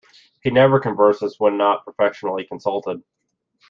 He never converses when not professionally consulted.